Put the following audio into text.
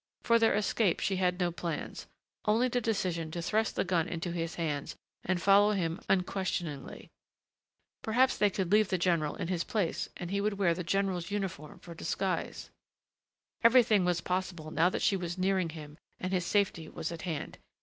For their escape she had no plans, only the decision to thrust the gun into his hands and follow him unquestioningly ... Perhaps they could leave the general in his place and he could wear the general's uniform for disguise.... Everything was possible now that she was nearing him and his safety was at hand.